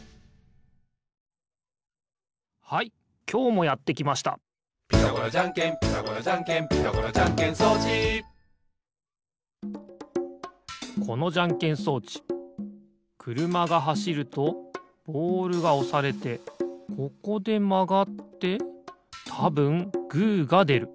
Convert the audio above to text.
はいきょうもやってきました「ピタゴラじゃんけんピタゴラじゃんけん」「ピタゴラじゃんけん装置」このじゃんけん装置くるまがはしるとボールがおされてここでまがってたぶんグーがでる。